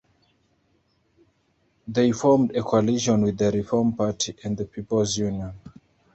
They formed a coalition with the Reform Party and the People's Union.